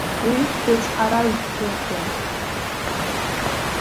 Уи дыцҳаражәҳәаҩын.